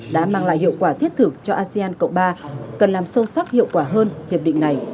đã mang lại hiệu quả thiết thực cho asean cộng ba cần làm sâu sắc hiệu quả hơn hiệp định này